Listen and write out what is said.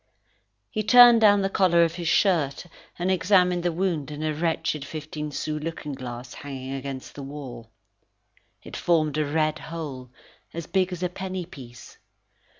He turned down the collar of his shirt, and examined the wound in a wretched fifteen sous looking glass hanging against the wall. It formed a red hole, as big as a penny piece.